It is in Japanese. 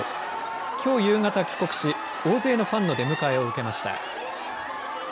きょう夕方、帰国し大勢のファンの出迎えを受けました。